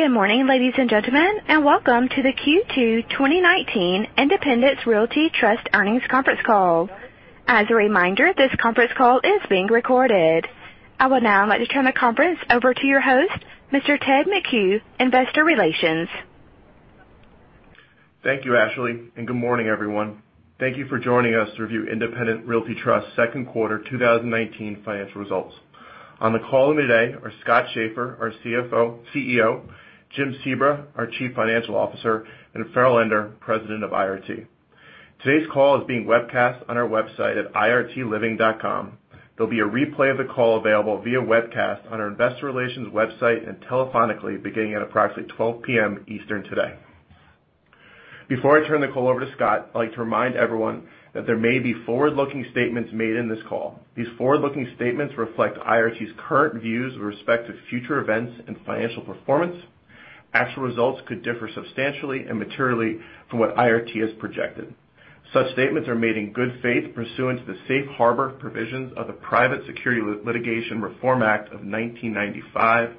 Good morning, ladies and gentlemen, and welcome to the Q2 2019 Independence Realty Trust Earnings Conference Call. As a reminder, this conference call is being recorded. I would now like to turn the conference over to your host, Mr. Ted McHugh, investor relations. Thank you, Ashley. Good morning, everyone. Thank you for joining us to review Independence Realty Trust's second quarter 2019 financial results. On the call today are Scott Schaeffer, our CEO, Jim Sebra, our Chief Financial Officer, and Farrell Ender, President of IRT. Today's call is being webcast on our website at irtliving.com. There'll be a replay of the call available via webcast on our investor relations website and telephonically beginning at approximately 12:00 A.M. Eastern today. Before I turn the call over to Scott, I'd like to remind everyone that there may be forward-looking statements made in this call. These forward-looking statements reflect IRT's current views with respect to future events and financial performance. Actual results could differ substantially and materially from what IRT has projected. Such statements are made in good faith pursuant to the safe harbor provisions of the Private Securities Litigation Reform Act of 1995.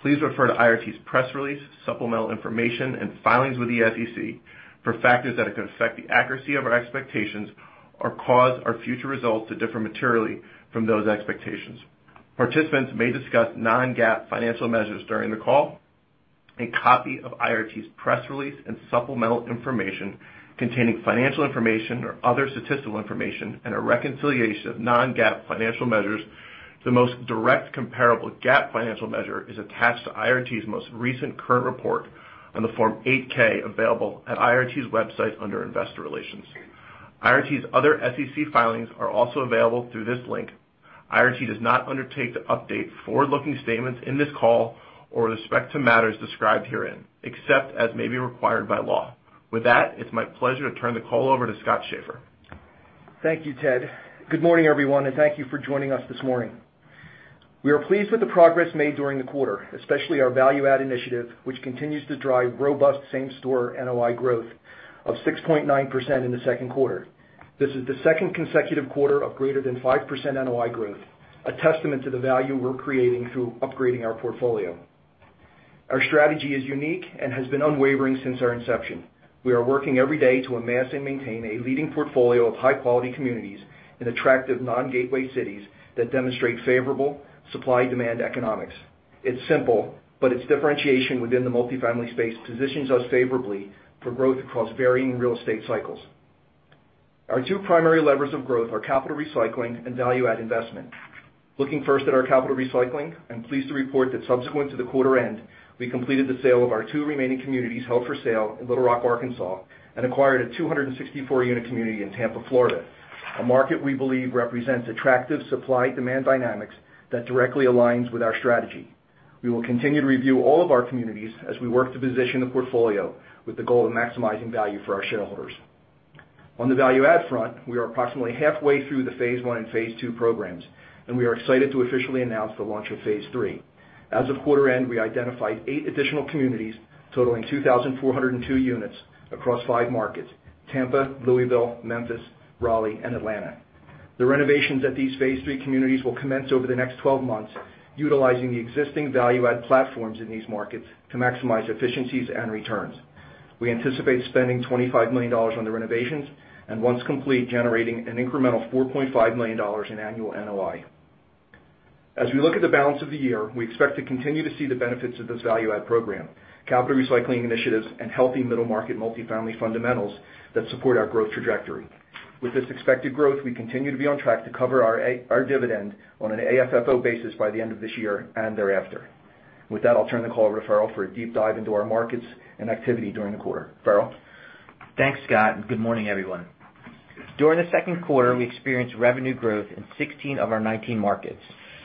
Please refer to IRT's press release, supplemental information, and filings with the SEC for factors that could affect the accuracy of our expectations or cause our future results to differ materially from those expectations. Participants may discuss non-GAAP financial measures during the call. A copy of IRT's press release and supplemental information containing financial information or other statistical information and a reconciliation of non-GAAP financial measures to the most direct comparable GAAP financial measure is attached to IRT's most recent current report on the Form 8-K available at IRT's website under investor relations. IRT's other SEC filings are also available through this link. IRT does not undertake to update forward-looking statements in this call or with respect to matters described herein, except as may be required by law. With that, it's my pleasure to turn the call over to Scott Schaeffer. Thank you, Ted. Good morning, everyone, and thank you for joining us this morning. We are pleased with the progress made during the quarter, especially our value add initiative, which continues to drive robust same-store NOI growth of 6.9% in the second quarter. This is the second consecutive quarter of greater than 5% NOI growth, a testament to the value we're creating through upgrading our portfolio. Our strategy is unique and has been unwavering since our inception. We are working every day to amass and maintain a leading portfolio of high-quality communities in attractive non-gateway cities that demonstrate favorable supply-demand economics. It's simple, but its differentiation within the multifamily space positions us favorably for growth across varying real estate cycles. Our two primary levers of growth are capital recycling and value add investment. Looking first at our capital recycling, I'm pleased to report that subsequent to the quarter end, we completed the sale of our two remaining communities held for sale in Little Rock, Arkansas, and acquired a 264-unit community in Tampa, Florida, a market we believe represents attractive supply-demand dynamics that directly aligns with our strategy. We will continue to review all of our communities as we work to position the portfolio with the goal of maximizing value for our shareholders. On the value add front, we are approximately halfway through the phase one and phase two programs. We are excited to officially announce the launch of phase three. As of quarter end, we identified eight additional communities totaling 2,402 units across five markets, Tampa, Louisville, Memphis, Raleigh, and Atlanta. The renovations at these phase 3 communities will commence over the next 12 months, utilizing the existing value add platforms in these markets to maximize efficiencies and returns. We anticipate spending $25 million on the renovations, and once complete, generating an incremental $4.5 million in annual NOI. As we look at the balance of the year, we expect to continue to see the benefits of this value add program, capital recycling initiatives, and healthy middle-market multifamily fundamentals that support our growth trajectory. With this expected growth, we continue to be on track to cover our dividend on an AFFO basis by the end of this year and thereafter. With that, I'll turn the call to Farrell for a deep dive into our markets and activity during the quarter. Farrell? Thanks, Scott. Good morning, everyone. During the second quarter, we experienced revenue growth in 16 of our 19 markets,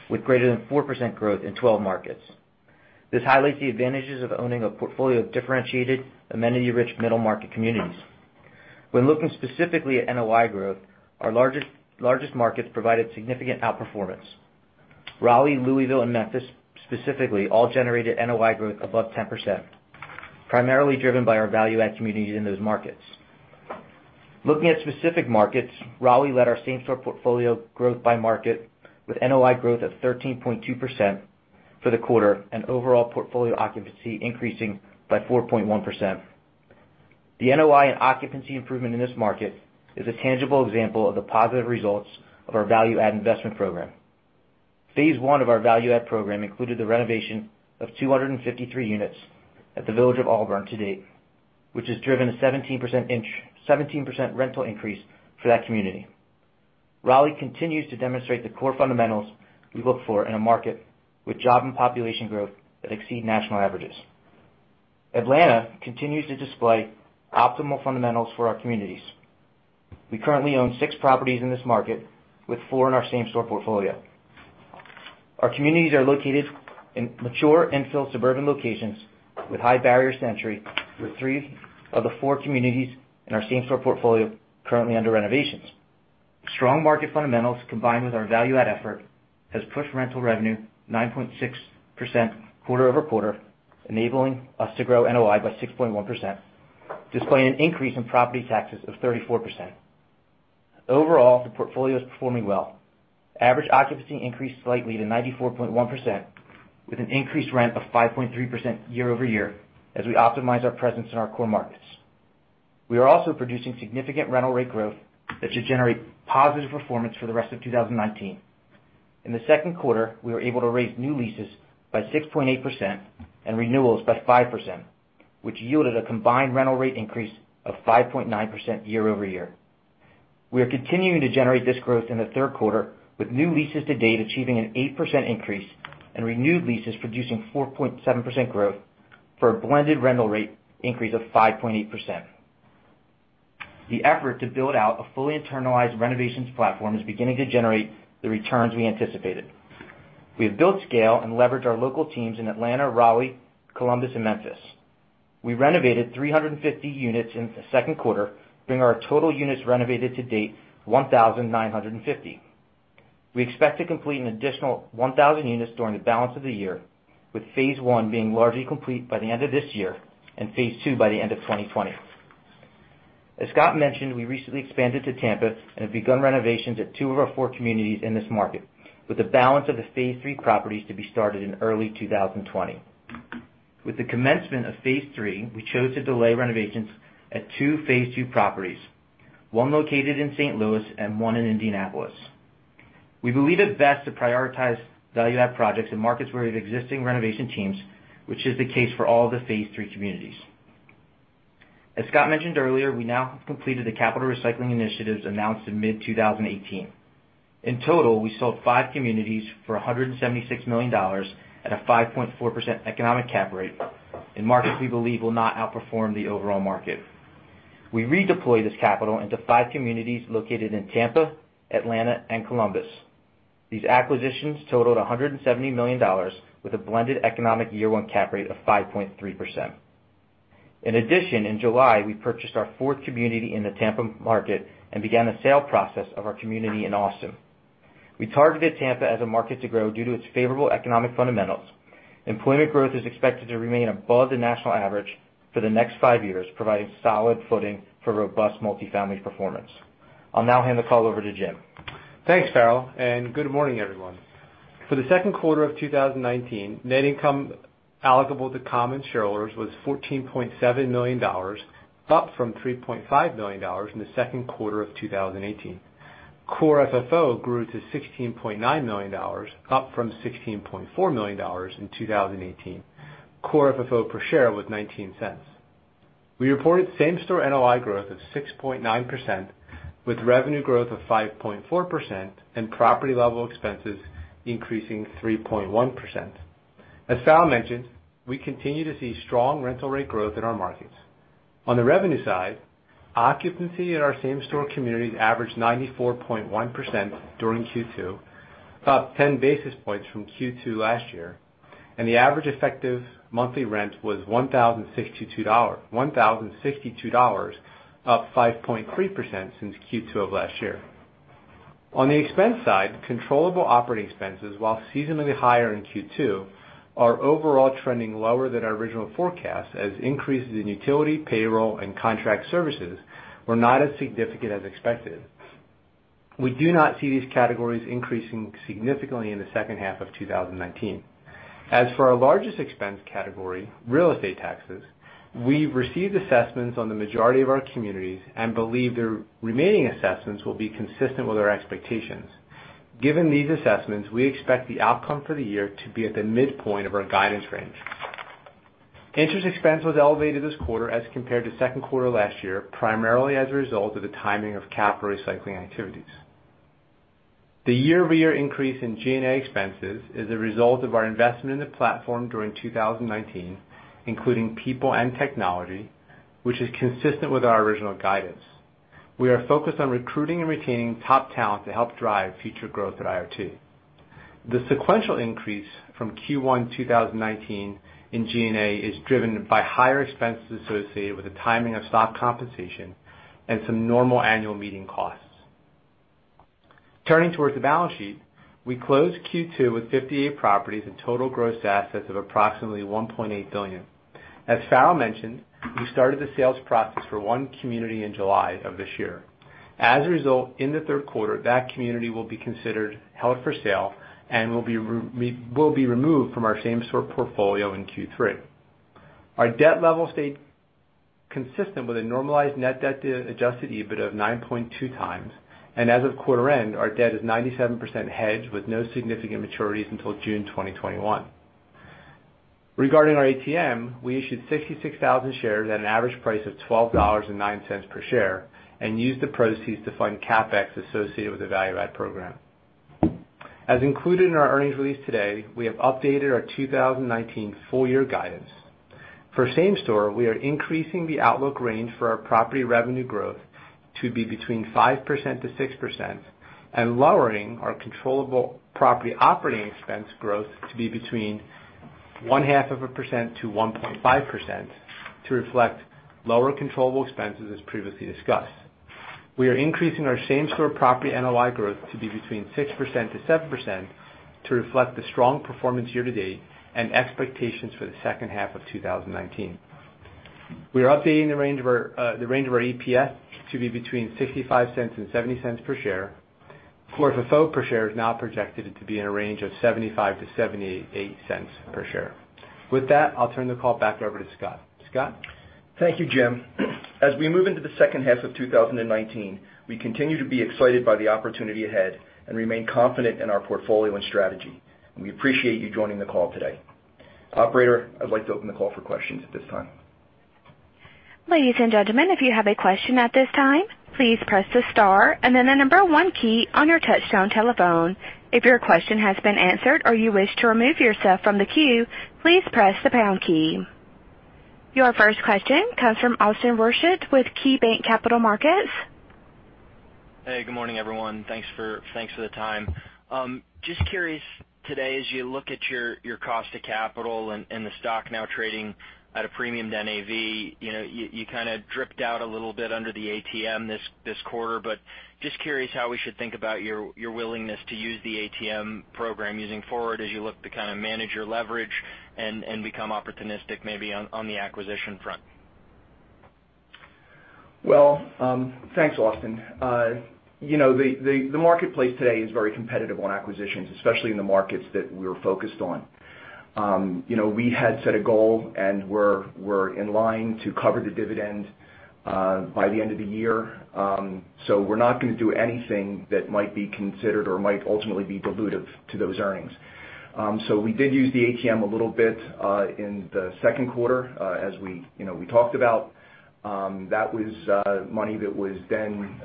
with greater than 4% growth in 12 markets. This highlights the advantages of owning a portfolio of differentiated, amenity-rich middle-market communities. When looking specifically at NOI growth, our largest markets provided significant outperformance. Raleigh, Louisville, and Memphis specifically all generated NOI growth above 10%, primarily driven by our value add communities in those markets. Looking at specific markets, Raleigh led our same-store portfolio growth by market with NOI growth at 13.2% for the quarter and overall portfolio occupancy increasing by 4.1%. The NOI and occupancy improvement in this market is a tangible example of the positive results of our value add investment program. Phase one of our value add program included the renovation of 253 units at the Village at Auburn to date, which has driven a 17% rental increase for that community. Raleigh continues to demonstrate the core fundamentals we look for in a market with job and population growth that exceed national averages. Atlanta continues to display optimal fundamentals for our communities. We currently own six properties in this market, with four in our same-store portfolio. Our communities are located in mature infill suburban locations with high barriers to entry, with three of the four communities in our same-store portfolio currently under renovations. Strong market fundamentals, combined with our value add effort, has pushed rental revenue 9.6% quarter-over-quarter, enabling us to grow NOI by 6.1%, displaying an increase in property taxes of 34%. Overall, the portfolio is performing well. Average occupancy increased slightly to 94.1% with an increased rent of 5.3% year-over-year as we optimize our presence in our core markets. We are also producing significant rental rate growth that should generate positive performance for the rest of 2019. In the second quarter, we were able to raise new leases by 6.8% and renewals by 5%, which yielded a combined rental rate increase of 5.9% year-over-year. We are continuing to generate this growth in the third quarter with new leases to date achieving an 8% increase and renewed leases producing 4.7% growth for a blended rental rate increase of 5.8%. The effort to build out a fully internalized renovations platform is beginning to generate the returns we anticipated. We have built scale and leveraged our local teams in Atlanta, Raleigh, Columbus, and Memphis. We renovated 350 units in the second quarter, bringing our total units renovated to date to 1,950. We expect to complete an additional 1,000 units during the balance of the year, with phase 1 being largely complete by the end of this year and phase 2 by the end of 2020. As Scott mentioned, we recently expanded to Tampa and have begun renovations at 2 of our 4 communities in this market with the balance of the phase 3 properties to be started in early 2020. With the commencement of phase 3, we chose to delay renovations at 2 phase 2 properties, one located in St. Louis and one in Indianapolis. We believe it best to prioritize value-add projects in markets where we have existing renovation teams, which is the case for all the phase three communities. As Scott mentioned earlier, we now have completed the capital recycling initiatives announced in mid-2018. In total, we sold five communities for $176 million at a 5.4% economic cap rate in markets we believe will not outperform the overall market. We redeployed this capital into five communities located in Tampa, Atlanta, and Columbus. These acquisitions totaled $170 million with a blended economic year one cap rate of 5.3%. In addition, in July, we purchased our fourth community in the Tampa market and began the sale process of our community in Austin. We targeted Tampa as a market to grow due to its favorable economic fundamentals. Employment growth is expected to remain above the national average for the next five years, providing solid footing for robust multi-family performance. I'll now hand the call over to Jim. Thanks, Farrell. Good morning, everyone. For the second quarter of 2019, net income eligible to common shareholders was $14.7 million, up from $3.5 million in the second quarter of 2018. Core FFO grew to $16.9 million, up from $16.4 million in 2018. Core FFO per share was $0.19. We reported same-store NOI growth of 6.9% with revenue growth of 5.4% and property-level expenses increasing 3.1%. As Farrell mentioned, we continue to see strong rental rate growth in our markets. On the revenue side, occupancy at our same-store communities averaged 94.1% during Q2, up 10 basis points from Q2 last year, and the average effective monthly rent was $1,062, up 5.3% since Q2 of last year. On the expense side, controllable operating expenses, while seasonally higher in Q2, are overall trending lower than our original forecast as increases in utility, payroll, and contract services were not as significant as expected. We do not see these categories increasing significantly in the second half of 2019. As for our largest expense category, real estate taxes, we've received assessments on the majority of our communities and believe the remaining assessments will be consistent with our expectations. Given these assessments, we expect the outcome for the year to be at the midpoint of our guidance range. Interest expense was elevated this quarter as compared to second quarter last year, primarily as a result of the timing of capital recycling activities. The year-over-year increase in G&A expenses is a result of our investment in the platform during 2019, including people and technology, which is consistent with our original guidance. We are focused on recruiting and retaining top talent to help drive future growth at IRT. The sequential increase from Q1 2019 in G&A is driven by higher expenses associated with the timing of stock compensation and some normal annual meeting costs. Turning towards the balance sheet, we closed Q2 with 58 properties and total gross assets of approximately $1.8 billion. As Farrell mentioned, we started the sales process for one community in July of this year. As a result, in the third quarter, that community will be considered held for sale and will be removed from our same-store portfolio in Q3. Our debt level stayed consistent with a normalized net debt to adjusted EBITDA of 9.2 times, and as of quarter end, our debt is 97% hedged with no significant maturities until June 2021. Regarding our ATM, we issued 66,000 shares at an average price of $12.09 per share and used the proceeds to fund CapEx associated with the value add program. As included in our earnings release today, we have updated our 2019 full-year guidance. For same store, we are increasing the outlook range for our property revenue growth to be between 5%-6% and lowering our controllable property operating expense growth to be between 0.5%-1.5% to reflect lower controllable expenses as previously discussed. We are increasing our same-store property NOI growth to be between 6%-7% to reflect the strong performance year to date and expectations for the second half of 2019. We are updating the range of our EPS to be between $0.55 and $0.70 per share. Core FFO per share is now projected to be in a range of $0.75 to $0.78 per share. With that, I'll turn the call back over to Scott. Scott? Thank you, Jim. As we move into the second half of 2019, we continue to be excited by the opportunity ahead and remain confident in our portfolio and strategy. We appreciate you joining the call today. Operator, I'd like to open the call for questions at this time. Ladies and gentlemen, if you have a question at this time, please press the star and then the number one key on your touchtone telephone. If your question has been answered, or you wish to remove yourself from the queue, please press the pound key. Your first question comes from Austin Wurschmidt with KeyBanc Capital Markets. Hey, good morning, everyone. Thanks for the time. Just curious, today, as you look at your cost of capital and the stock now trading at a premium to NAV, you kind of dripped out a little bit under the ATM this quarter. Just curious how we should think about your willingness to use the ATM program using forward as you look to kind of manage your leverage and become opportunistic maybe on the acquisition front. Well, thanks, Austin. The marketplace today is very competitive on acquisitions, especially in the markets that we're focused on. We had set a goal, and we're in line to cover the dividend by the end of the year. We're not going to do anything that might be considered or might ultimately be dilutive to those earnings. We did use the ATM a little bit, in the second quarter, as we talked about. That was money that was then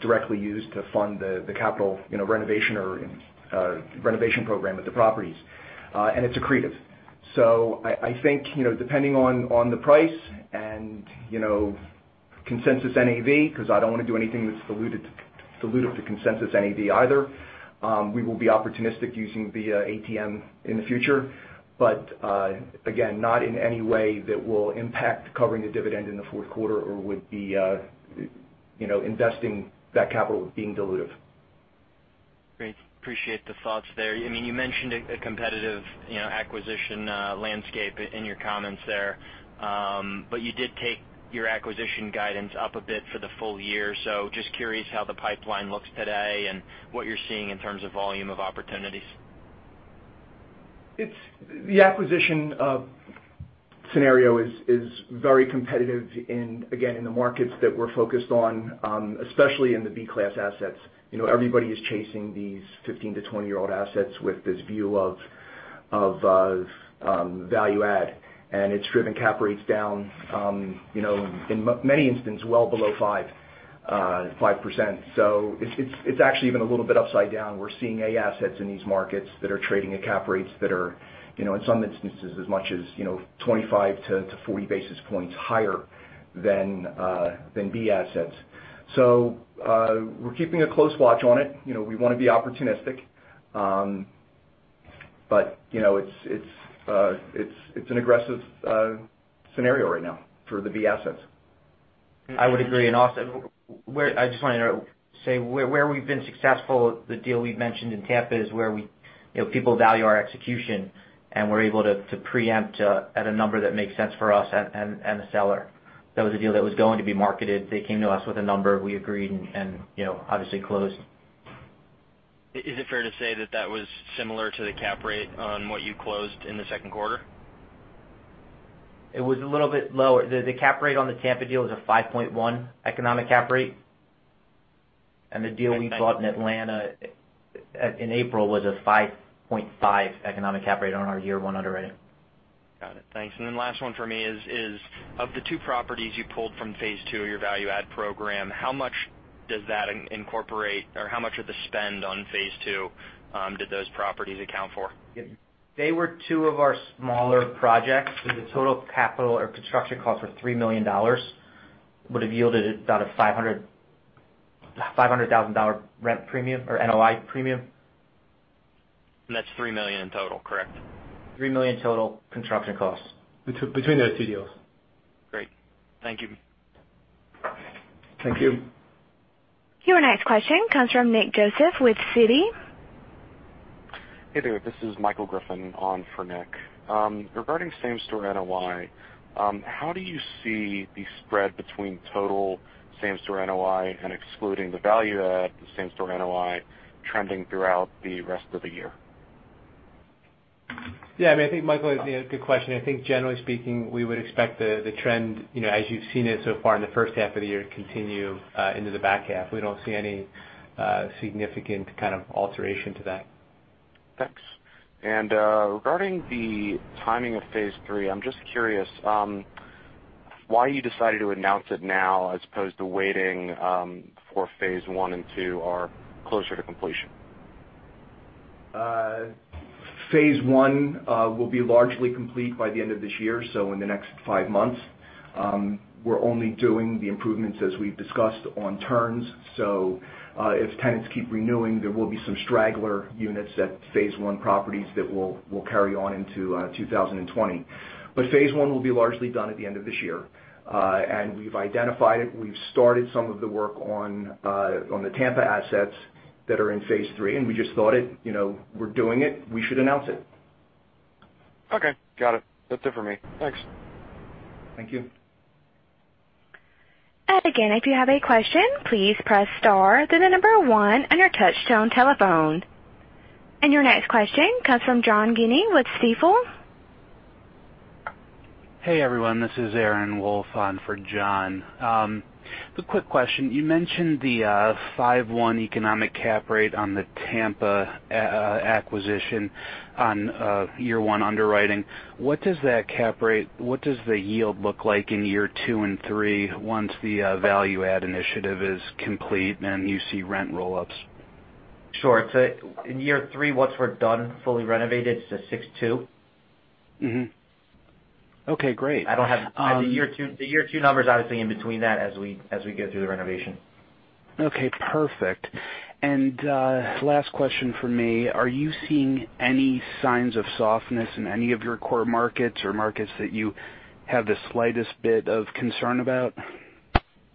directly used to fund the capital renovation program at the properties. It's accretive. I think, depending on the price and consensus NAV, because I don't want to do anything that's dilutive to consensus NAV either, we will be opportunistic using the ATM in the future. Again, not in any way that will impact covering the dividend in the fourth quarter or would be investing that capital being dilutive. Great. Appreciate the thoughts there. You mentioned a competitive acquisition landscape in your comments there. You did take your acquisition guidance up a bit for the full year. Just curious how the pipeline looks today and what you're seeing in terms of volume of opportunities. The acquisition scenario is very competitive in, again, in the markets that we're focused on, especially in the B-class assets. Everybody is chasing these 15-to-20-year-old assets with this view of value add. It's driven cap rates down, in many instances, well below 5%. It's actually even a little bit upside down. We're seeing A assets in these markets that are trading at cap rates that are, in some instances, as much as 25 to 40 basis points higher than B assets. We're keeping a close watch on it. We want to be opportunistic. It's an aggressive scenario right now for the B assets. I would agree. Austin, I just wanted to say, where we've been successful, the deal we've mentioned in Tampa is where people value our execution, and we're able to preempt at a number that makes sense for us and the seller. That was a deal that was going to be marketed. They came to us with a number, we agreed, and obviously closed. Is it fair to say that that was similar to the cap rate on what you closed in the second quarter? It was a little bit lower. The cap rate on the Tampa deal was a 5.1 economic cap rate. The deal we bought in Atlanta in April was a 5.5 economic cap rate on our year-one underwriting. Got it. Thanks. Last one for me is, of the two properties you pulled from phase 2 of your value add program, how much does that incorporate, or how much of the spend on phase 2 did those properties account for? They were two of our smaller projects, the total capital or construction cost for $3 million would've yielded about a $500,000 rent premium or NOI premium. That's $3 million in total, correct? $3 million total construction costs. Between those two deals. Great. Thank you. Thank you. Your next question comes from Nicholas Joseph with Citi. Hey there. This is Michael Griffin on for Nick. Regarding same-store NOI, how do you see the spread between total same-store NOI and excluding the value add, the same-store NOI trending throughout the rest of the year? Yeah, I think Michael, good question. I think generally speaking, we would expect the trend, as you've seen it so far in the first half of the year, to continue into the back half. We don't see any significant kind of alteration to that. Thanks. Regarding the timing of phase III, I'm just curious why you decided to announce it now as opposed to waiting for phase I and phase II are closer to completion. Phase 1 will be largely complete by the end of this year, so in the next five months. We're only doing the improvements as we've discussed on turns, so, if tenants keep renewing, there will be some straggler units at Phase 1 properties that will carry on into 2020. Phase 1 will be largely done at the end of this year. We've identified it. We've started some of the work on the Tampa assets that are in Phase 3, and we just thought it, we're doing it, we should announce it. Okay, got it. That's it for me. Thanks. Thank you. Again, if you have a question, please press star, then the number one on your touch-tone telephone. Your next question comes from John Guinee with Stifel. Hey, everyone, this is Aaron Wolf on for John. Just a quick question. You mentioned the five one economic cap rate on the Tampa acquisition on year one underwriting. What does that cap rate, what does the yield look like in year two and three once the value-add initiative is complete and you see rent roll-ups? Sure. In year three, once we're done, fully renovated, it's a six two. Mm-hmm. Okay, great. I don't have the year two number's obviously in between that as we get through the renovation. Okay, perfect. Last question from me, are you seeing any signs of softness in any of your core markets or markets that you have the slightest bit of concern about?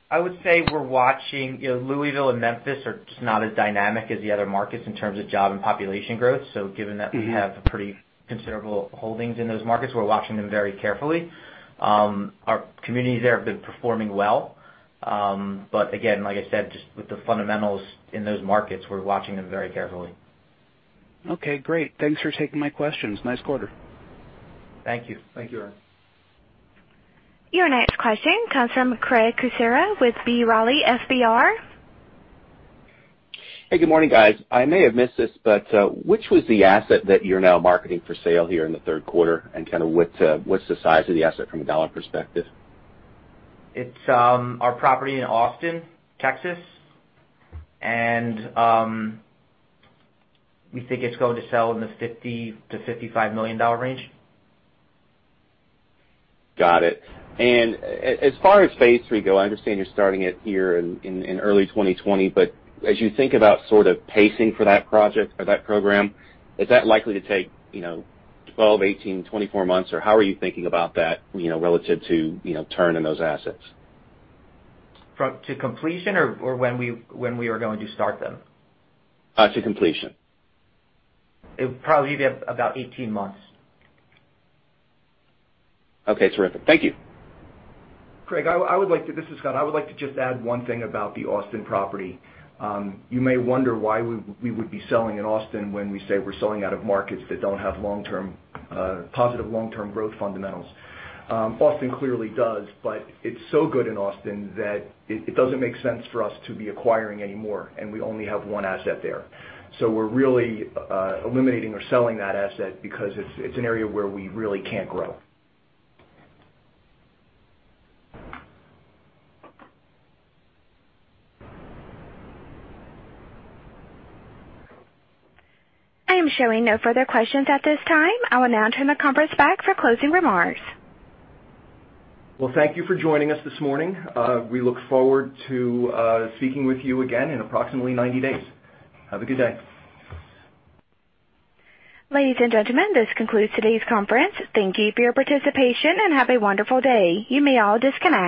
I would say we're watching Louisville and Memphis are just not as dynamic as the other markets in terms of job and population growth. We have pretty considerable holdings in those markets. We're watching them very carefully. Our communities there have been performing well. Again, like I said, just with the fundamentals in those markets, we're watching them very carefully. Okay, great. Thanks for taking my questions. Nice quarter. Thank you. Thank you, Aaron. Your next question comes from Craig Kucera with B. Riley FBR. Hey, good morning, guys. I may have missed this, but which was the asset that you're now marketing for sale here in the third quarter, and kind of what's the size of the asset from a dollar perspective? It's our property in Austin, Texas. We think it's going to sell in the $50 million-$55 million range. Got it. As far as phase three go, I understand you're starting it here in early 2020. As you think about sort of pacing for that project or that program, is that likely to take 12, 18, 24 months? Or how are you thinking about that relative to turning those assets? To completion or when we are going to start them? To completion. It would probably be about 18 months. Okay, terrific. Thank you. Craig, I would like to This is Scott. I would like to just add one thing about the Austin property. You may wonder why we would be selling in Austin when we say we're selling out of markets that don't have positive long-term growth fundamentals. Austin clearly does, but it's so good in Austin that it doesn't make sense for us to be acquiring any more, and we only have one asset there. We're really eliminating or selling that asset because it's an area where we really can't grow. I am showing no further questions at this time. I will now turn the conference back for closing remarks. Well, thank you for joining us this morning. We look forward to speaking with you again in approximately 90 days. Have a good day. Ladies and gentlemen, this concludes today's conference. Thank you for your participation, and have a wonderful day. You may all disconnect.